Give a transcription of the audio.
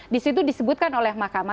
disitu disebutkan oleh mahkamah